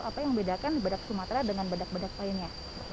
apa yang membedakan di badak sumatera dengan badak badak lainnya